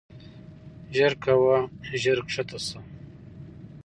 ژر کوه ژر کښته شه.